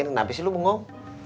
kenapa sih lu bengong